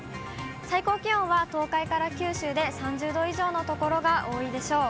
最高気温は東海から九州で３０度以上の所が多いでしょう。